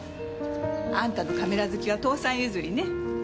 あんたのカメラ好きは父さん譲りね。